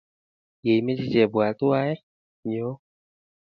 Ye imeche kebwaa tuwai, nyoo